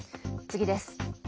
次です。